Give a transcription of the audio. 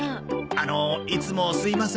あのいつもすいません。